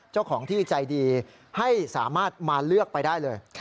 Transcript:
เจ้าของที่ใจดีให้สามารถมาเลือกไปได้เลย